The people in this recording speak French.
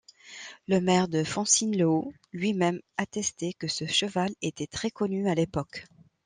Le maire de Foncine-le-Haut lui-même attestait que ce cheval était très connu à l'époque.